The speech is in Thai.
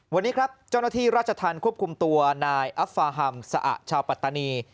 วันนี้ครับเจ้าหน้าที่ราชธรรมควบคุมตัวนายอัฟฟาฮัมสะอะชาวปัตตานี